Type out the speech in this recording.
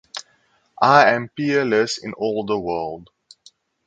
I am peerless in all the world!